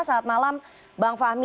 saat malam bang fahmi